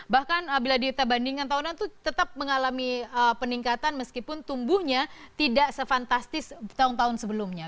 bahkan bila kita bandingkan tahunan itu tetap mengalami peningkatan meskipun tumbuhnya tidak se fantastis tahun tahun sebelumnya